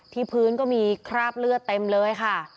พื้นก็มีคราบเลือดเต็มเลยค่ะ